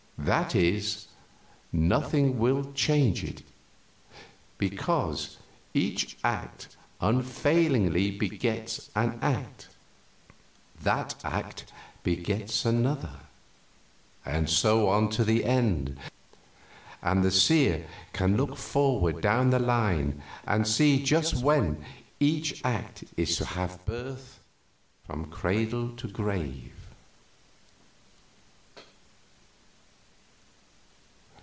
That is, nothing will change it, because each act unfailingly begets an act, that act begets another, and so on to the end, and the seer can look forward down the line and see just when each act is to have birth, from cradle to grave."